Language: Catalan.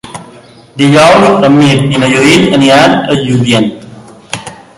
Dijous en Mirt i na Judit aniran a Lludient.